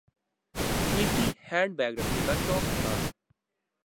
قیمتی handbag رکھنے کا شوق تھا۔